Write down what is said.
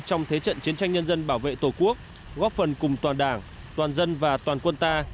trong thế trận chiến tranh nhân dân bảo vệ tổ quốc góp phần cùng toàn đảng toàn dân và toàn quân ta